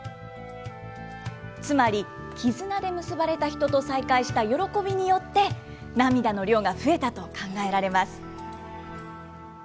つまり絆で結ばれたヒトと再会した喜びによって、涙の量が増えたと考えられます。